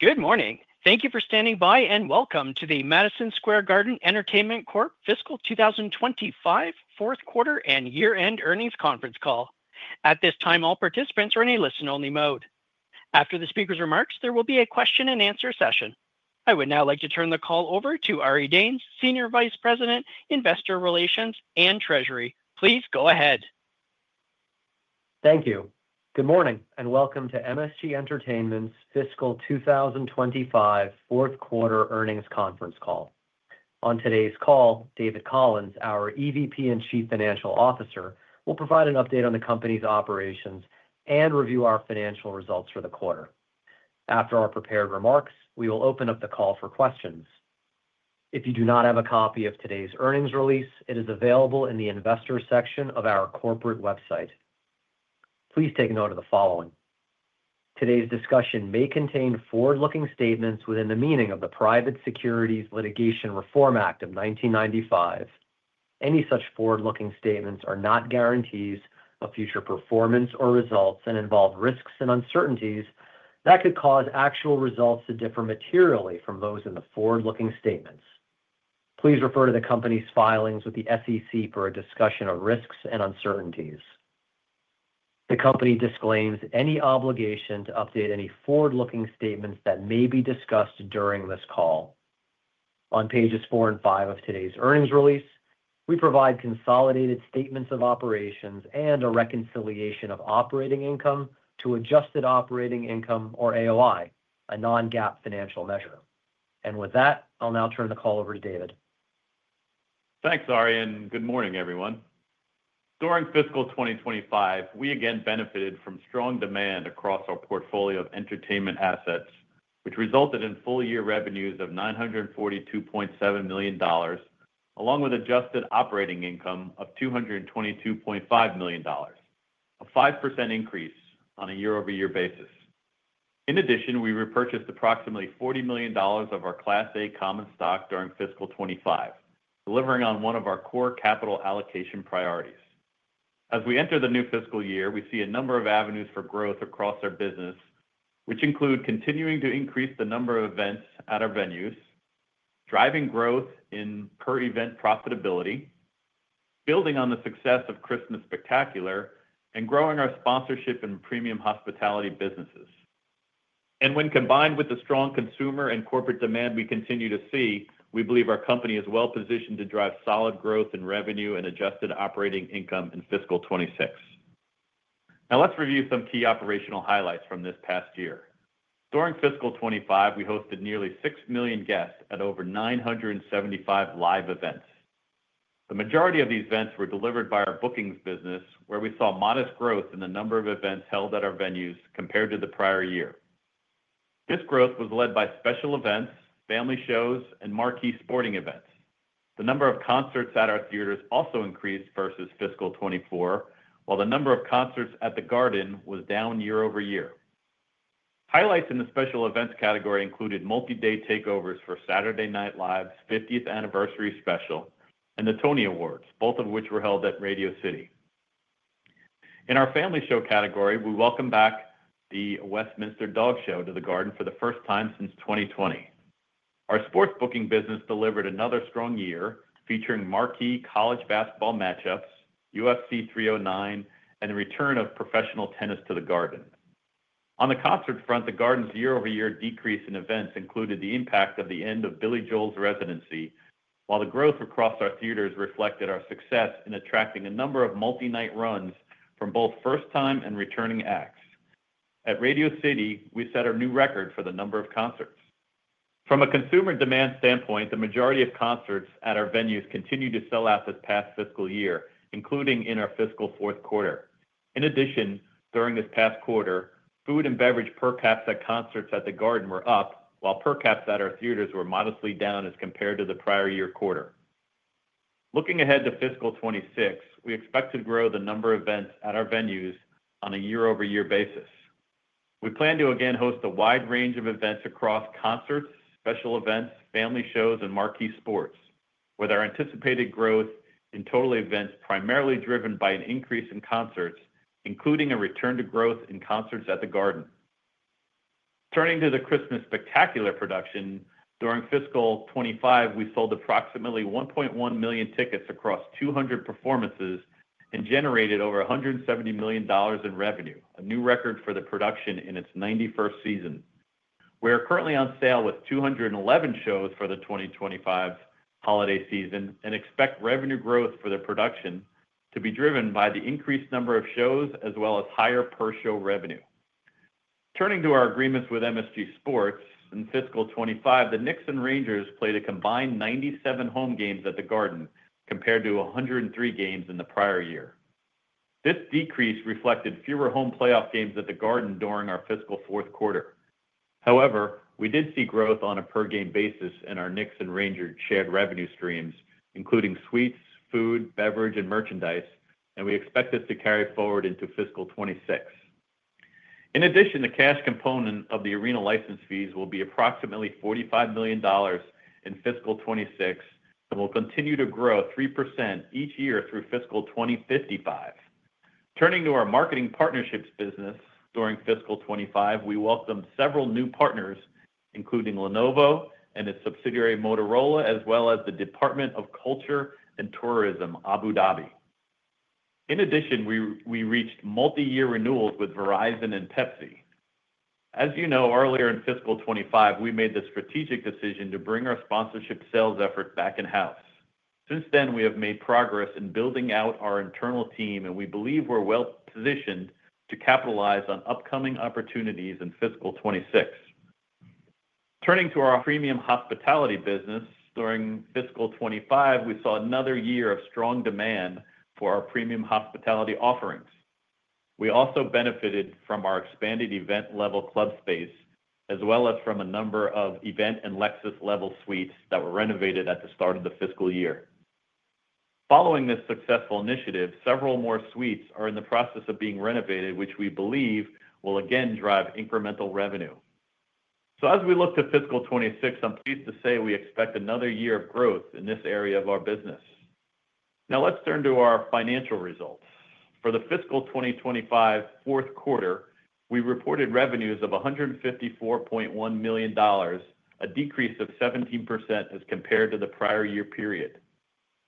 Good morning. Thank you for standing by and welcome to the Madison Square Garden Entertainment Corp. Fiscal 2025 Fourth Quarter and Year-End Earnings Conference Call. At this time, all participants are in a listen-only mode. After the speaker's remarks, there will be a question-and-answer session. I would now like to turn the call over to Ari Danes, Senior Vice President, Investor Relations and Treasury. Please go ahead. Thank you. Good morning and welcome to MSG Entertainment's Fiscal 2025 Fourth Quarter Earnings Conference Call. On today's call, David Collins, our EVP and Chief Financial Officer, will provide an update on the company's operations and review our financial results for the quarter. After our prepared remarks, we will open up the call for questions. If you do not have a copy of today's earnings release, it is available in the Investors section of our corporate website. Please take note of the following: Today's discussion may contain forward-looking statements within the meaning of the Private Securities Litigation Reform Act of 1995. Any such forward-looking statements are not guarantees of future performance or results and involve risks and uncertainties that could cause actual results to differ materially from those in the forward-looking statements. Please refer to the company's filings with the SEC for a discussion of risks and uncertainties. The company disclaims any obligation to update any forward-looking statements that may be discussed during this call. On pages 4 and 5 of today's earnings release, we provide consolidated statements of operations and a reconciliation of operating income to adjusted operating income, or AOI, a non-GAAP financial measure. With that, I'll now turn the call over to David. Thanks, Ari, and good morning, everyone. During Fiscal 2025, we again benefited from strong demand across our portfolio of entertainment assets, which resulted in full-year revenues of $942.7 million, along with adjusted operating income of $222.5 million, a 5% increase on a year-over-year basis. In addition, we repurchased approximately $40 million of our Class A common stock during Fiscal 2025, delivering on one of our core capital allocation priorities. As we enter the new fiscal year, we see a number of avenues for growth across our business, which include continuing to increase the number of events at our venues, driving growth in per event profitability, building on the success of Christmas Spectacular, and growing our sponsorship and premium hospitality businesses. When combined with the strong consumer and corporate demand we continue to see, we believe our company is well-positioned to drive solid growth in revenue and adjusted operating income in Fiscal 2026. Now, let's review some key operational highlights from this past year. During Fiscal 2025, we hosted nearly 6 million guests at over 975 live events. The majority of these events were delivered by our bookings business, where we saw modest growth in the number of events held at our venues compared to the prior year. This growth was led by special events, family shows, and marquee sports bookings. The number of concerts at our theaters also increased versus Fiscal 2024, while the number of concerts at the Garden was down year-over-year. Highlights in the special events category included multi-day takeovers for Saturday Night Live's 50th anniversary special and the Tony Awards, both of which were held at Radio City Music Hall. In our family show category, we welcomed back the Westminster Dog Show to the Garden for the first time since 2020. Our sports booking business delivered another strong year, featuring Marquee college basketball matchups, UFC 309, and the return of professional tennis to the Garden. On the concert front, the Garden's year-over-year decrease in events included the impact of the end of Billy Joel's residency, while the growth across our theaters reflected our success in attracting a number of multi-night runs from both first-time and returning acts. At Radio City Music Hall, we set a new record for the number of concerts. From a consumer demand standpoint, the majority of concerts at our venues continued to sell out this past fiscal year, including in our fiscal fourth quarter. In addition, during this past quarter, food and beverage per capita concerts at the Garden were up, while per capita at our theaters were modestly down as compared to the prior year quarter. Looking ahead to Fiscal 2026, we expect to grow the number of events at our venues on a year-over-year basis. We plan to again host a wide range of events across concerts, special events, family shows, and marquee sports bookings, with our anticipated growth in total events primarily driven by an increase in concerts, including a return to growth in concerts at the Garden. Turning to the Christmas Spectacular production, during Fiscal 2025, we sold approximately 1.1 million tickets across 200 performances and generated over $170 million in revenue, a new record for the production in its 91st season. We are currently on sale with 211 shows for the 2025 holiday season and expect revenue growth for the production to be driven by the increased number of shows as well as higher per-show revenue. Turning to our agreements with MSG Sports, in Fiscal 2025, the Knicks and Rangers played a combined 97 home games at the Garden compared to 103 games in the prior year. This decrease reflected fewer home playoff games at the Garden during our fiscal fourth quarter. However, we did see growth on a per-game basis in our Knicks and Rangers' shared revenue streams, including suites, food, beverage, and merchandise, and we expect this to carry forward into Fiscal 2026. In addition, the cash component of the arena license fees will be approximately $45 million in Fiscal 2026 and will continue to grow 3% each year through Fiscal 2055. Turning to our marketing partnerships business, during Fiscal 2025, we welcomed several new partners, including Lenovo and its subsidiary Motorola, as well as the Department of Culture and Tourism Abu Dhabi. In addition, we reached multi-year renewals with Verizon and Pepsi. As you know, earlier in Fiscal 2025, we made the strategic decision to bring our sponsorship sales effort back in-house. Since then, we have made progress in building out our internal team, and we believe we're well-positioned to capitalize on upcoming opportunities in Fiscal 2026. Turning to our premium hospitality business, during Fiscal 2025, we saw another year of strong demand for our premium hospitality offerings. We also benefited from our expanded event-level club space, as well as from a number of event and Lexus-level suites that were renovated at the start of the fiscal year. Following this successful initiative, several more suites are in the process of being renovated, which we believe will again drive incremental revenue. As we look to Fiscal 2026, I'm pleased to say we expect another year of growth in this area of our business. Now, let's turn to our financial results. For the Fiscal 2025 Fourth Quarter, we reported revenues of $154.1 million, a decrease of 17% as compared to the prior year period.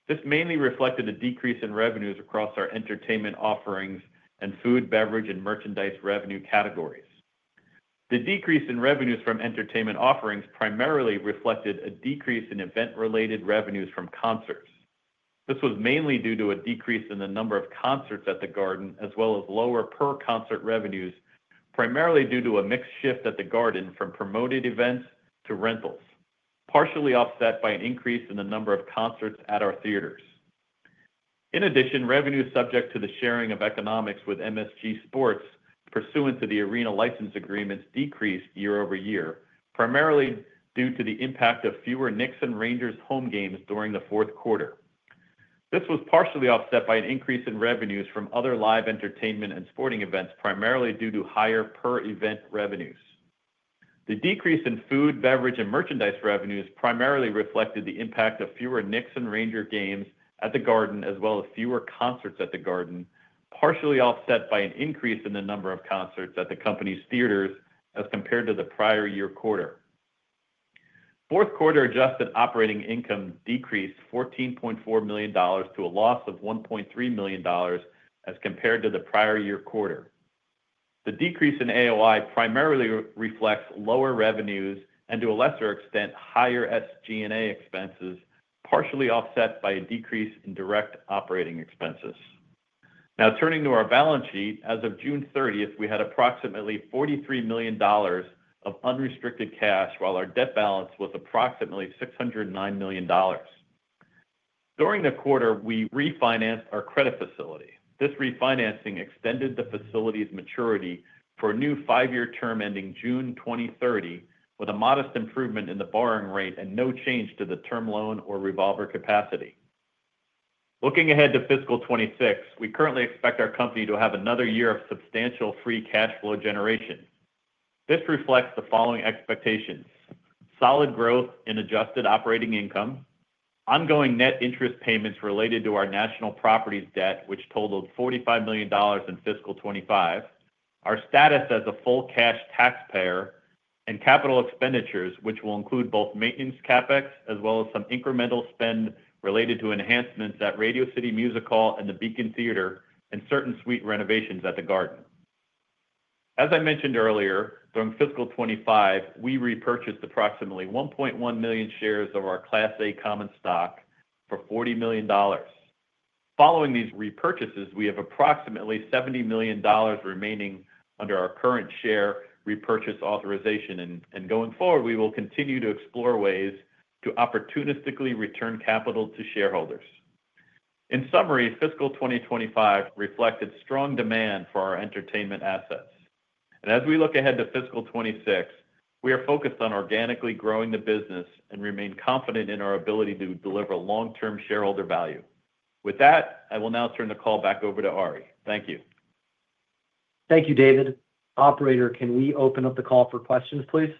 This mainly reflected a decrease in revenues across our entertainment offerings and food, beverage, and merchandise revenue categories. The decrease in revenues from entertainment offerings primarily reflected a decrease in event-related revenues from concerts. This was mainly due to a decrease in the number of concerts at the Garden, as well as lower per-concert revenues, primarily due to a mix shift at the Garden from promoted events to rentals, partially offset by an increase in the number of concerts at our theaters. In addition, revenues subject to the sharing of economics with MSG Sports pursuant to the arena license agreements decreased year-over-year, primarily due to the impact of fewer Knicks and Rangers home games during the fourth quarter. This was partially offset by an increase in revenues from other live entertainment and sporting events, primarily due to higher per-event revenues. The decrease in food, beverage, and merchandise revenues primarily reflected the impact of fewer Knicks and Rangers games at the Garden, as well as fewer concerts at the Garden, partially offset by an increase in the number of concerts at the company's theaters as compared to the prior year quarter. Fourth quarter adjusted operating income decreased $14.4 million to a loss of $1.3 million as compared to the prior year quarter. The decrease in AOI primarily reflects lower revenues and, to a lesser extent, higher SG&A expenses, partially offset by a decrease in direct operating expenses. Now, turning to our balance sheet, as of June 30, we had approximately $43 million of unrestricted cash, while our debt balance was approximately $609 million. During the quarter, we refinanced our credit facility. This refinancing extended the facility's maturity for a new five-year term ending June 2030, with a modest improvement in the borrowing rate and no change to the term loan or revolver capacity. Looking ahead to Fiscal 2026, we currently expect our company to have another year of substantial free cash flow generation. This reflects the following expectations: solid growth in adjusted operating income, ongoing net interest payments related to our national properties debt, which totaled $45 million in Fiscal 2025, our status as a full cash taxpayer, and capital expenditures, which will include both maintenance CapEx as well as some incremental spend related to enhancements at Radio City Music Hall and the Beacon Theater, and certain suite renovations at the Garden. As I mentioned earlier, during Fiscal 2025, we repurchased approximately 1.1 million shares of our Class A common stock for $40 million. Following these repurchases, we have approximately $70 million remaining under our current share repurchase authorization, and going forward, we will continue to explore ways to opportunistically return capital to shareholders. In summary, Fiscal 2025 reflected strong demand for our entertainment assets. As we look ahead to Fiscal 2026, we are focused on organically growing the business and remain confident in our ability to deliver long-term shareholder value. With that, I will now turn the call back over to Ari. Thank you. Thank you, David. Operator, can we open up the call for questions, please?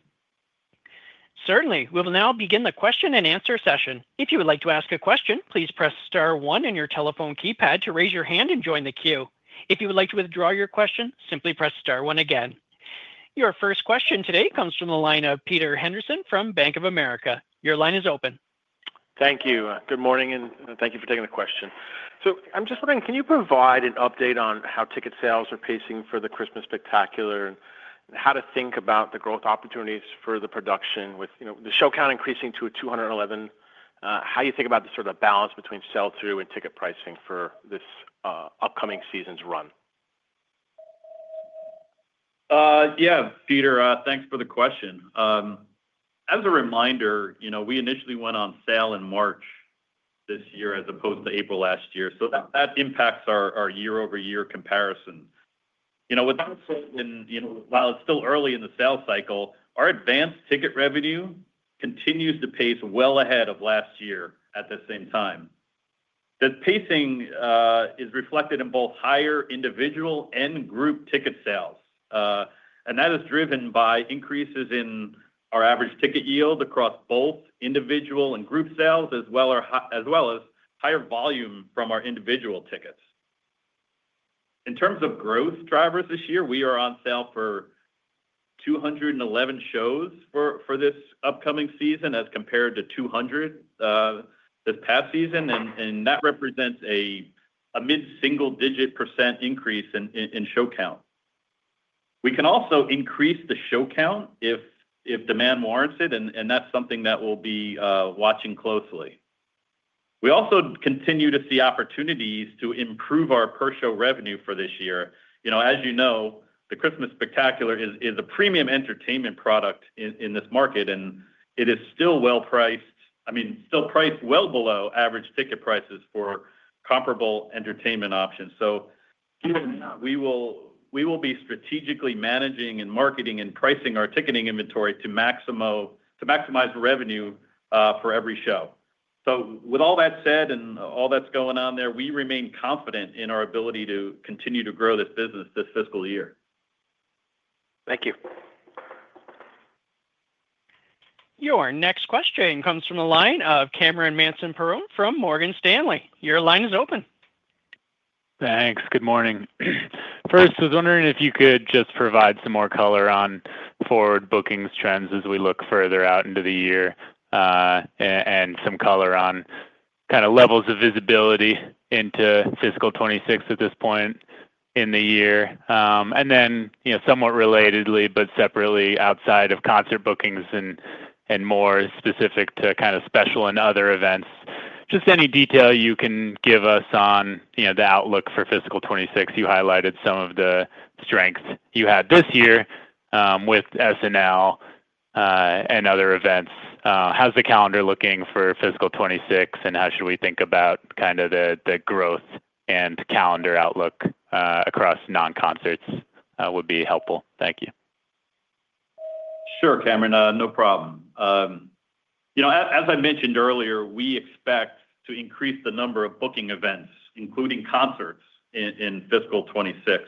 Certainly. We'll now begin the question-and-answer session. If you would like to ask a question, please press star one on your telephone keypad to raise your hand and join the queue. If you would like to withdraw your question, simply press star one again. Your first question today comes from the line of Peter Henderson from Bank of America. Your line is open. Thank you. Good morning, and thank you for taking the question. I'm just wondering, can you provide an update on how ticket sales are pacing for the Christmas Spectacular and how to think about the growth opportunities for the production with the show count increasing to 211? How do you think about the sort of balance between sell-through and ticket pricing for this upcoming season's run? Yeah, Peter, thanks for the question. As a reminder, we initially went on sale in March this year as opposed to April last year, so that impacts our year-over-year comparison. Without sale and while it's still early in the sale cycle, our advanced ticket revenue continues to pace well ahead of last year at the same time. The pacing is reflected in both higher individual and group ticket sales, and that is driven by increases in our average ticket yield across both individual and group sales, as well as higher volume from our individual tickets. In terms of growth drivers this year, we are on sale for 211 shows for this upcoming season as compared to 200 this past season, and that represents a mid-single-digit percent increase in show count. We can also increase the show count if demand warrants it, and that's something that we'll be watching closely. We also continue to see opportunities to improve our per-show revenue for this year. As you know, the Christmas Spectacular is a premium entertainment product in this market, and it is still priced well below average ticket prices for comparable entertainment options. Given that, we will be strategically managing and marketing and pricing our ticketing inventory to maximize revenue for every show. With all that said and all that's going on there, we remain confident in our ability to continue to grow this business this fiscal year. Thank you. Your next question comes from the line of Cameron Mansson-Perrone from Morgan Stanley. Your line is open. Thanks. Good morning. First, I was wondering if you could just provide some more color on forward bookings trends as we look further out into the year, and some color on kind of levels of visibility into Fiscal 2026 at this point in the year. Then, somewhat relatedly but separately, outside of concert bookings and more specific to kind of special and other events, just any detail you can give us on the outlook for Fiscal 2026. You highlighted some of the strengths you had this year with SNL and other events. How's the calendar looking for Fiscal 2026, and how should we think about kind of the growth and calendar outlook across non-concerts would be helpful. Thank you. Sure, Cameron, no problem. As I mentioned earlier, we expect to increase the number of booking events, including concerts, in Fiscal 2026.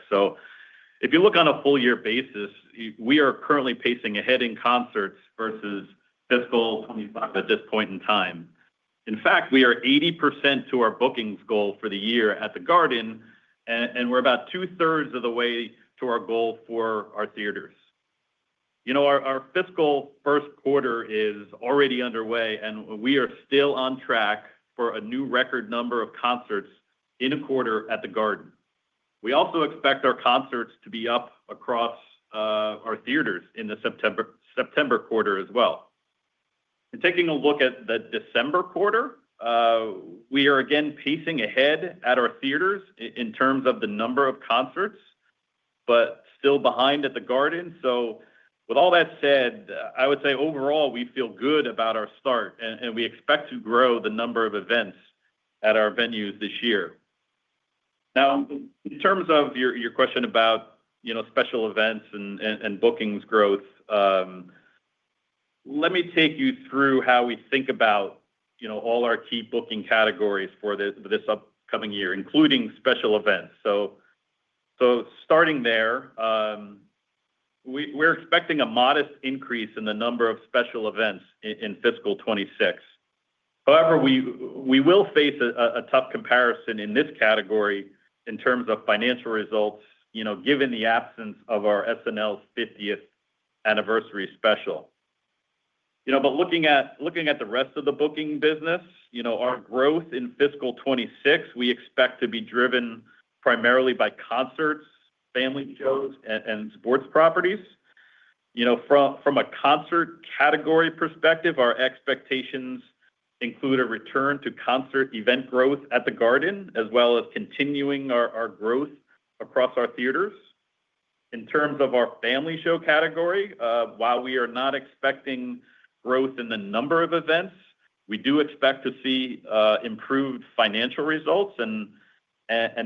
If you look on a full-year basis, we are currently pacing ahead in concerts versus Fiscal 2025 at this point in time. In fact, we are 80% to our bookings goal for the year at the Garden, and we're about two-thirds of the way to our goal for our theaters. Our fiscal first quarter is already underway, and we are still on track for a new record number of concerts in a quarter at the Garden. We also expect our concerts to be up across our theaters in the September quarter as well. Taking a look at the December quarter, we are again pacing ahead at our theaters in terms of the number of concerts, but still behind at the Garden. With all that said, I would say overall we feel good about our start, and we expect to grow the number of events at our venues this year. Now, in terms of your question about special events and bookings growth, let me take you through how we think about all our key booking categories for this upcoming year, including special events. Starting there, we're expecting a modest increase in the number of special events in Fiscal 2026. However, we will face a tough comparison in this category in terms of financial results, given the absence of our SNL 50th anniversary special. Looking at the rest of the booking business, our growth in Fiscal 2026, we expect to be driven primarily by concerts, family shows, and sports properties. From a concert category perspective, our expectations include a return to concert event growth at the Garden, as well as continuing our growth across our theaters. In terms of our family show category, while we are not expecting growth in the number of events, we do expect to see improved financial results, and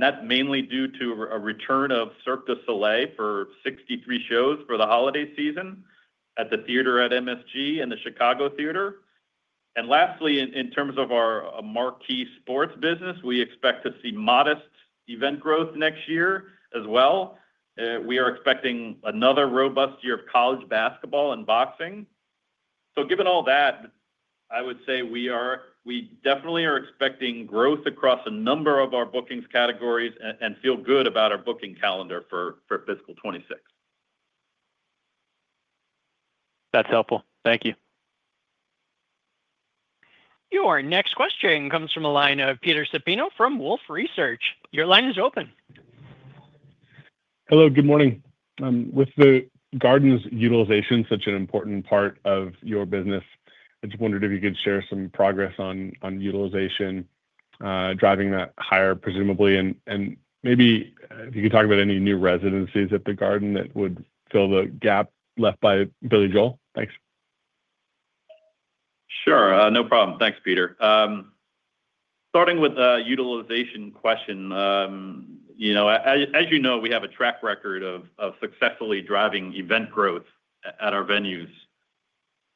that's mainly due to a return of Cirque du Soleil for 63 shows for the holiday season at the Theater at MSG and the Chicago Theater. Lastly, in terms of our marquee sports business, we expect to see modest event growth next year as well. We are expecting another robust year of college basketball and boxing. Given all that, I would say we definitely are expecting growth across a number of our bookings categories and feel good about our booking calendar for Fiscal 2026. That's helpful. Thank you. Your next question comes from the line of Peter Supino from Wolfe Research. Your line is open. Hello, good morning. With the Garden's utilization such an important part of your business, I just wondered if you could share some progress on utilization, driving that higher, presumably, and maybe if you could talk about any new residencies at the Garden that would fill the gap left by Billy Joel. Thanks. Sure, no problem. Thanks, Peter. Starting with the utilization question, as you know, we have a track record of successfully driving event growth at our venues.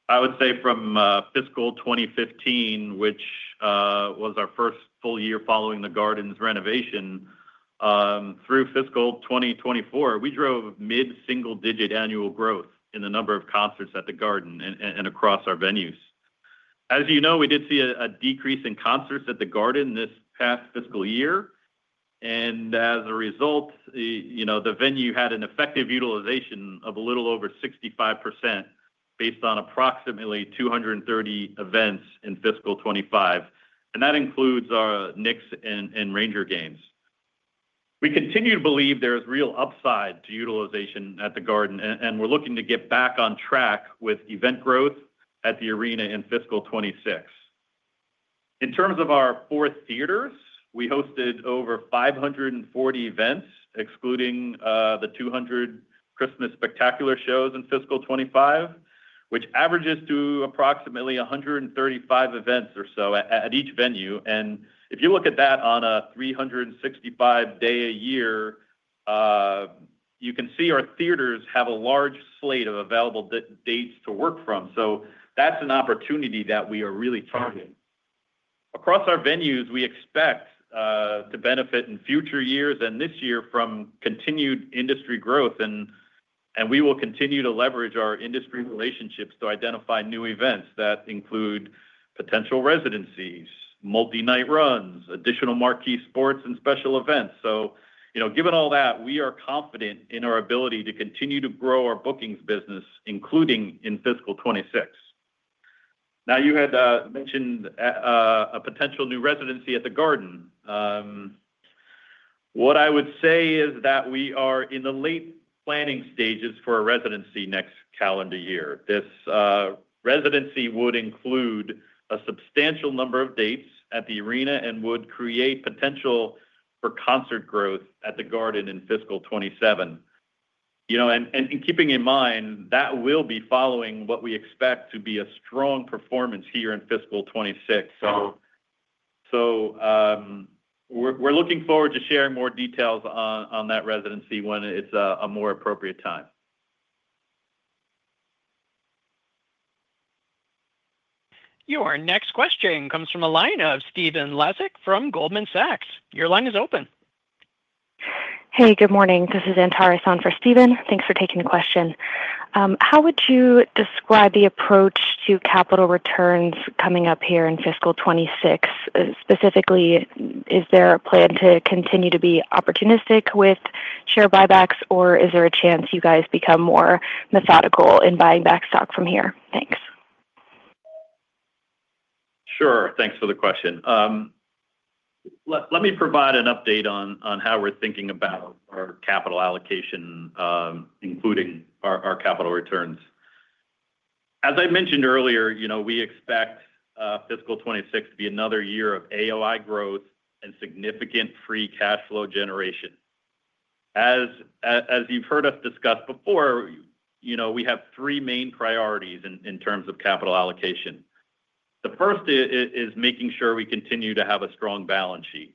I would say from Fiscal 2015, which was our first full year following the Garden's renovation, through Fiscal 2024, we drove mid-single-digit annual growth in the number of concerts at the Garden and across our venues. As you know, we did see a decrease in concerts at the Garden this past fiscal year, and as a result, the venue had an effective utilization of a little over 65% based on approximately 230 events in Fiscal 2025, and that includes our Knicks and Rangers games. We continue to believe there is real upside to utilization at the Garden, and we're looking to get back on track with event growth at the arena in Fiscal 2026. In terms of our four theaters, we hosted over 540 events, excluding the 200 Christmas Spectacular shows in Fiscal 2025, which averages to approximately 135 events or so at each venue. If you look at that on a 365-day a year, you can see our theaters have a large slate of available dates to work from. That's an opportunity that we are really targeting. Across our venues, we expect to benefit in future years and this year from continued industry growth, and we will continue to leverage our industry relationships to identify new events that include potential residencies, multi-night runs, additional marquee sports, and special events. Given all that, we are confident in our ability to continue to grow our bookings business, including in Fiscal 2026. You had mentioned a potential new residency at the Garden. What I would say is that we are in the late planning stages for a residency next calendar year. This residency would include a substantial number of dates at the arena and would create potential for concert growth at the Garden in Fiscal 2027. Keeping in mind that we'll be following what we expect to be a strong performance here in Fiscal 2026, we're looking forward to sharing more details on that residency when it's a more appropriate time. Your next question comes from a line of Stephen Laszczyk from Goldman Sachs. Your line is open. Good morning. This is Ann Tarason for Stephen. Thanks for taking the question. How would you describe the approach to capital returns coming up here in Fiscal 2026? Specifically, is there a plan to continue to be opportunistic with share buybacks, or is there a chance you guys become more methodical in buying back stock from here? Thanks. Sure, thanks for the question. Let me provide an update on how we're thinking about our capital allocation, including our capital returns. As I mentioned earlier, we expect Fiscal 2026 to be another year of AOI growth and significant free cash flow generation. As you've heard us discuss before, we have three main priorities in terms of capital allocation. The first is making sure we continue to have a strong balance sheet.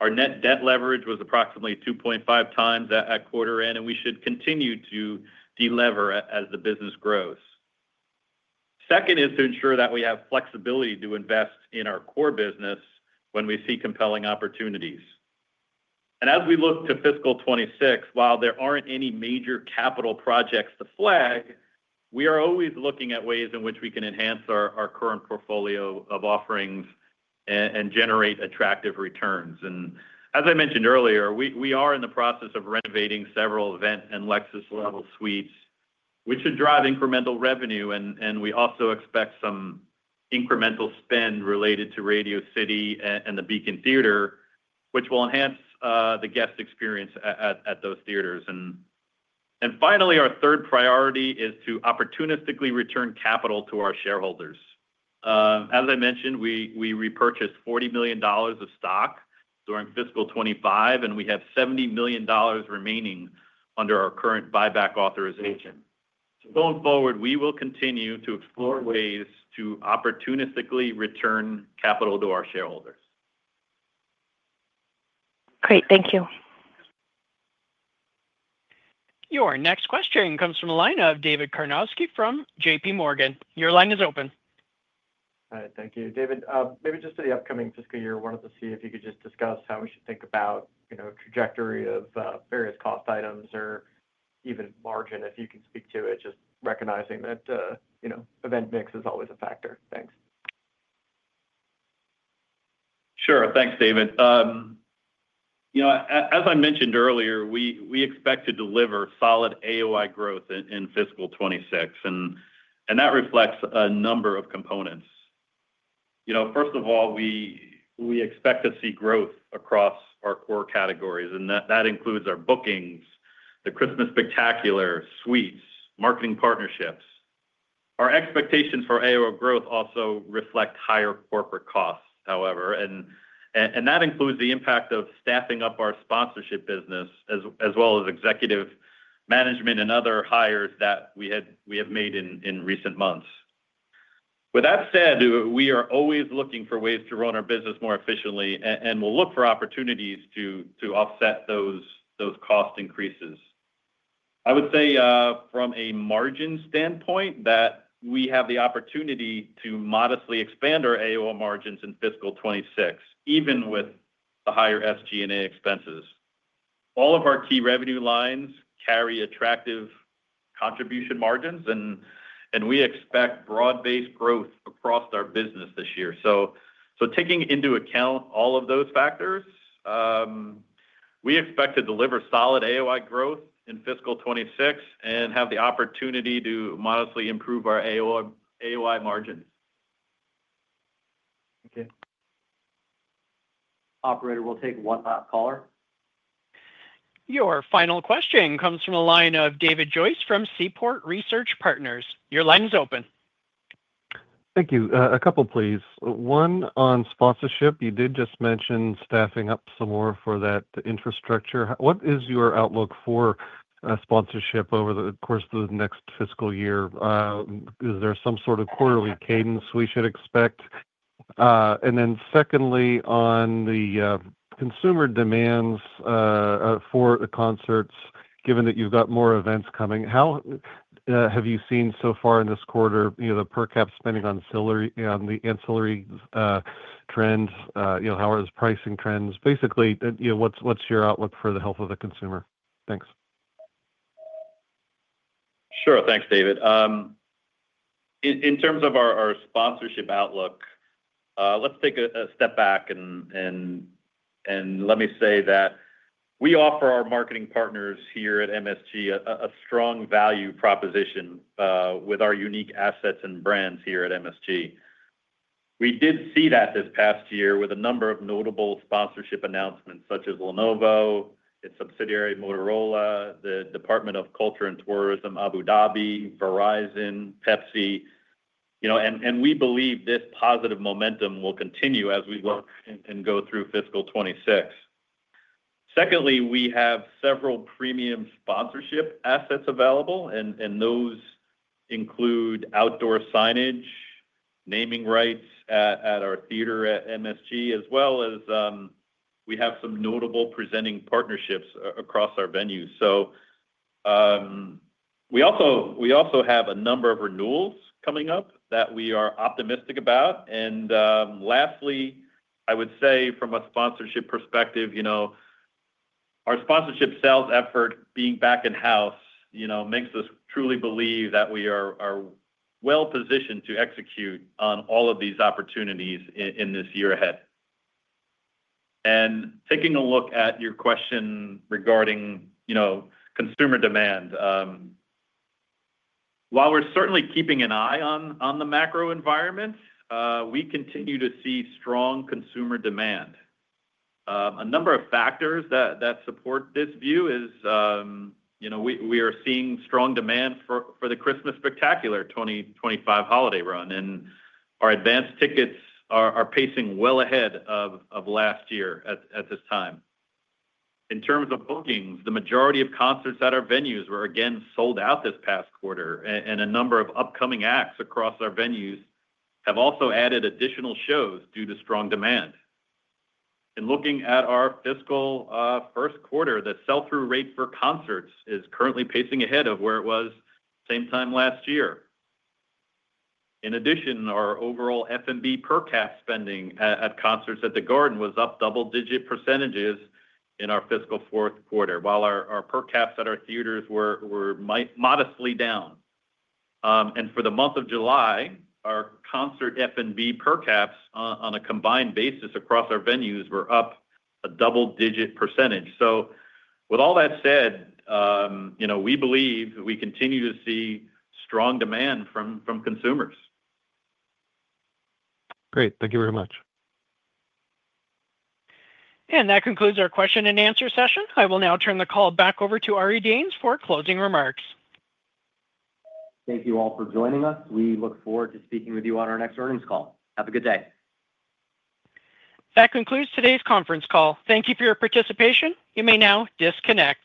Our net debt leverage was approximately 2.5 times at quarter end, and we should continue to delever as the business grows. The second is to ensure that we have flexibility to invest in our core business when we see compelling opportunities. As we look to Fiscal 2026, while there aren't any major capital projects to flag, we are always looking at ways in which we can enhance our current portfolio of offerings and generate attractive returns. As I mentioned earlier, we are in the process of renovating several event and Lexus-level suites, which should drive incremental revenue, and we also expect some incremental spend related to Radio City Music Hall and the Beacon Theater, which will enhance the guest experience at those theaters. Finally, our third priority is to opportunistically return capital to our shareholders. As I mentioned, we repurchased $40 million of stock during Fiscal 2025, and we have $70 million remaining under our current buyback authorization. Going forward, we will continue to explore ways to opportunistically return capital to our shareholders. Great, thank you. Your next question comes from the line of David Karnovsky from J.P. Morgan. Your line is open. Thank you, David. Maybe just for the upcoming fiscal year, I wanted to see if you could discuss how we should think about trajectory of various cost items or even margin, if you can speak to it, just recognizing that event mix is always a factor. Thanks. Sure, thanks, David. As I mentioned earlier, we expect to deliver solid AOI growth in Fiscal 2026, and that reflects a number of components. First of all, we expect to see growth across our core categories, and that includes our bookings, the Christmas Spectacular, suites, and marketing partnerships. Our expectations for AOI growth also reflect higher corporate costs, however, and that includes the impact of staffing up our sponsorship business, as well as executive management and other hires that we have made in recent months. With that said, we are always looking for ways to run our business more efficiently, and we'll look for opportunities to offset those cost increases. I would say from a margin standpoint that we have the opportunity to modestly expand our AOI margins in Fiscal 2026, even with the higher SG&A expenses. All of our key revenue lines carry attractive contribution margins, and we expect broad-based growth across our business this year. Taking into account all of those factors, we expect to deliver solid AOI growth in Fiscal 2026 and have the opportunity to modestly improve our AOI margins. Okay. Operator, we'll take one last caller. Your final question comes from a line of David Joyce from Seaport Research Partners. Your line is open. Thank you. A couple, please. One on sponsorship. You did just mention staffing up some more for that infrastructure. What is your outlook for sponsorship over the course of the next fiscal year? Is there some sort of quarterly cadence we should expect? Secondly, on the consumer demands for the concerts, given that you've got more events coming, how have you seen so far in this quarter the per cap spending on ancillary trends? How are those pricing trends? Basically, what's your outlook for the health of the consumer? Thanks. Sure, thanks, David. In terms of our sponsorship outlook, let's take a step back and let me say that we offer our marketing partners here at MSG Entertainment a strong value proposition with our unique assets and brands here at MSG Entertainment. We did see that this past year with a number of notable sponsorship announcements, such as Lenovo, its subsidiary Motorola, the Department of Culture and Tourism Abu Dhabi, Verizon, Pepsi. We believe this positive momentum will continue as we look and go through Fiscal 2026. Secondly, we have several premium sponsorship assets available, and those include outdoor signage, naming rights at our theater at MSG Entertainment, as well as some notable presenting partnerships across our venues. We also have a number of renewals coming up that we are optimistic about. Lastly, I would say from a sponsorship perspective, our sponsorship sales effort being back in-house makes us truly believe that we are well-positioned to execute on all of these opportunities in this year ahead. Taking a look at your question regarding consumer demand, while we're certainly keeping an eye on the macro environment, we continue to see strong consumer demand. A number of factors that support this view is, we are seeing strong demand for the Christmas Spectacular 2025 holiday run, and our advanced tickets are pacing well ahead of last year at this time. In terms of bookings, the majority of concerts at our venues were again sold out this past quarter, and a number of upcoming acts across our venues have also added additional shows due to strong demand. Looking at our fiscal first quarter, the sell-through rate for concerts is currently pacing ahead of where it was same time last year. In addition, our overall F&B per cap spending at concerts at the Garden was up double-digit percentages in our fiscal fourth quarter, while our per caps at our theaters were modestly down. For the month of July, our concert F&B per caps on a combined basis across our venues were up a double-digit percentage. With all that said, we believe we continue to see strong demand from consumers. Great, thank you very much. That concludes our question-and-answer session. I will now turn the call back over to Ari Danes for closing remarks. Thank you all for joining us. We look forward to speaking with you on our next earnings call. Have a good day. That concludes today's conference call. Thank you for your participation. You may now disconnect.